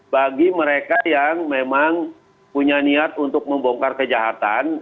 bagi mereka yang memang punya niat untuk membongkar kejahatan